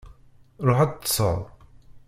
Ruḥ ad teṭṭseḍ!